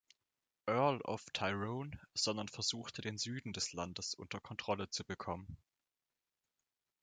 Earl of Tyrone, sondern versuchte den Süden des Landes unter Kontrolle zu bekommen.